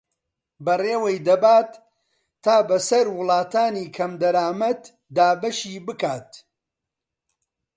بەڕێوەی دەبات تا بەسەر وڵاتانی کەمدەرامەت دابەشی بکات